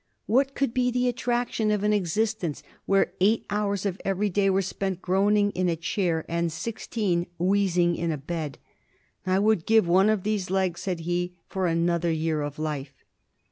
What could be the attraction of an existence where eight hours of every day were spent groaning in a chair, and sixteen wheezing in a bed? "I would give one of these legs," said he, "for another year of life."